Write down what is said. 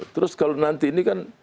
terus kalau nanti ini kan